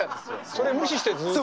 それ無視してずっと。